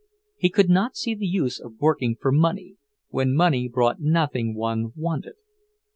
He could not see the use of working for money, when money brought nothing one wanted.